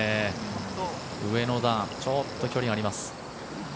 上の段ちょっと距離があります。